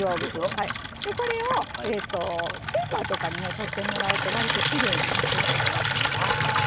これを、ペーパーとかにとってもらうとわりときれいにむきやすいかなと思います。